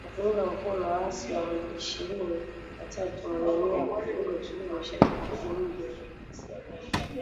Rwanda kwa kuunga mkono waasi wa M ishirini na tatu wenye nia ya kuvuruga utulivu mashariki mwa Jamuhuri ya Demokrasia ya Kongo